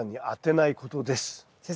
先生